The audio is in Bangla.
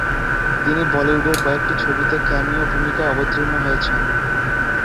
তিনি বলিউডের কয়েকটি ছবিতে ক্যামিও ভূমিকায় অবতীর্ণ হয়েছেন।